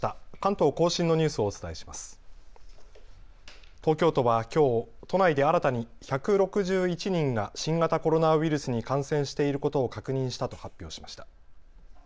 東京都はきょう、都内で新たに１６１人が新型コロナウイルスに感染していることを確認したと発表しました。